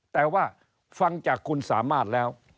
แต่ว่าฟังจากคุณสามารถแล้ว